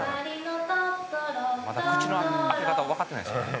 「まだ口の開け方わかってないですからね」